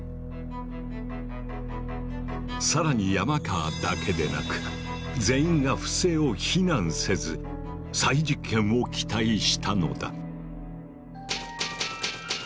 更に山川だけでなく全員が不正を非難せず再実験を期待したのだ。